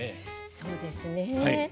そうですね。